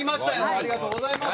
ありがとうございます。